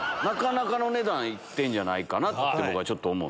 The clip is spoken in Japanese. なかなかのお値段行ってんじゃないかなと思う。